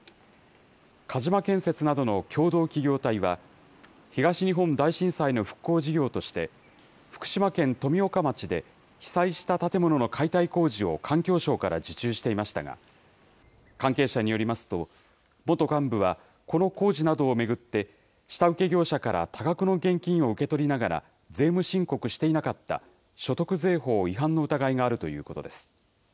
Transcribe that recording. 鹿島建設などの共同企業体は、東日本大震災の復興事業として、福島県富岡町で被災した建物の解体工事を環境省から受注していましたが、関係者によりますと、元幹部は、この工事などを巡って、下請け業者から多額の現金を受け取りながら、税務申告していなかった、所得税法違反の疑いがあるということです。